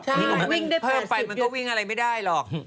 ใช่วิ่งได้เผื่อ๑๐กิโลเมตรมันก็วิ่งอะไรไม่ได้หรอก